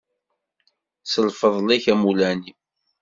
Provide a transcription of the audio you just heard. S lfeḍl-ik a mulani.